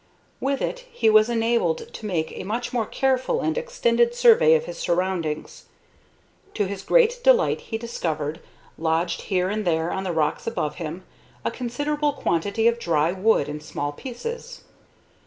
With it he was enabled to make a much more careful and extended survey of his surroundings. To his great delight he discovered, lodged here and there on the rocks about him, a considerable quantity of dry wood in small pieces.